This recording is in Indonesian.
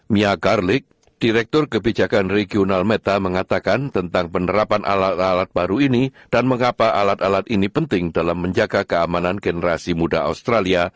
mia garlik direktur kebijakan regional meta mengatakan tentang penerapan alat alat baru ini dan mengapa alat alat ini penting dalam menjaga keamanan generasi muda australia